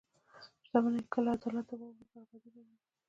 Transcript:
• شتمني که له عدالته واوړي، بربادي راوړي.